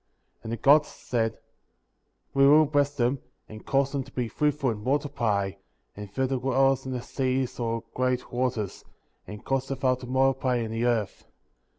22. And the Gods said : We will bless them, and cause them to be fruitful and multiply, and fill the waters in the seas or great waters; and cause the fowl to multiply in the earth.